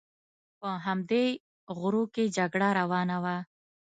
په همدې غرو کې جګړه روانه وه.